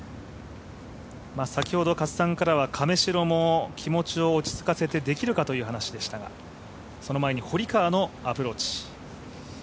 先ほど加瀬さんからは亀代も気持ちを落ち着かせてできるかという話でしたが、その前に堀川のアプローチ。